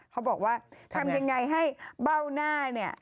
เขาบอกว่าทำยังไงให้เบ้าหน้าเนี่ย